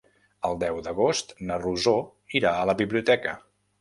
El deu d'agost na Rosó irà a la biblioteca.